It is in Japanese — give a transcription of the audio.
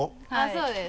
そうです。